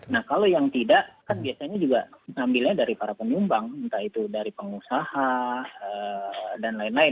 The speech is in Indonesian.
nah kalau yang tidak kan biasanya juga ngambilnya dari para penyumbang entah itu dari pengusaha dan lain lain